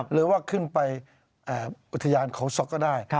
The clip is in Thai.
หรือว่าขึ้นไปอุทยานเขาศกก็ได้